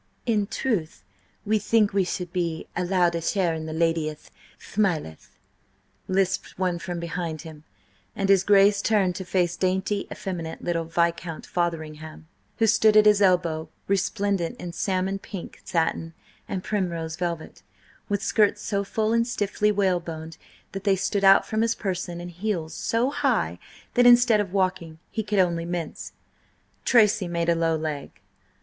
"In truth, we think we should be allowed a share in the lady'th thmileth," lisped one from behind him, and his Grace turned to face dainty, effeminate little Viscount Fotheringham, who stood at his elbow, resplendent in salmon pink satin and primrose velvet, with skirts so full and stiffly whaleboned that they stood out from his person, and heels so high that instead of walking he could only mince. Tracy made a low leg.